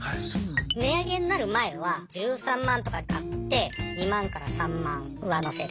値上げになる前は１３万とかで買って２万から３万上乗せで。